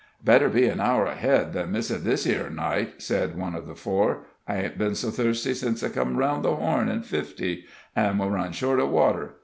"Better be an hour ahead than miss it this 'ere night," said one of the four. "I ain't been so thirsty sence I come round the Horn, in '50, an' we run short of water.